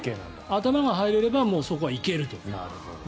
頭が入れればそこは行けると。